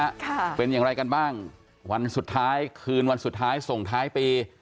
ค่ะเป็นอย่างไรกันบ้างวันสุดท้ายคืนวันสุดท้ายส่งท้ายปี